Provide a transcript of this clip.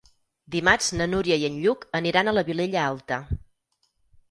Dimarts na Núria i en Lluc aniran a la Vilella Alta.